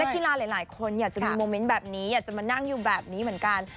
นักกีฬาหลายคนอยากจะมานั่งอยู่แบบนี้เหมือนกัน